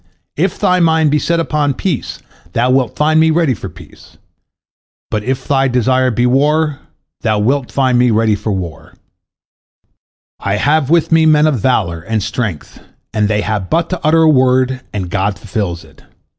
If thy mind be set upon peace, thou wilt find me ready for peace. But if thy desire be war, thou wilt find me ready for war. I have with me men of valor and strength, they have but to utter a word, and God fulfils it.